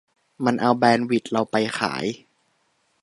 มันเอาแบนด์วิธเราไปขาย